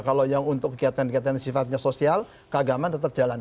kalau yang untuk kegiatan kegiatan sifatnya sosial keagamaan tetap jalan